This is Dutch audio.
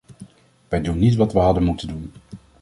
Wij doen niet wat we hadden moeten doen.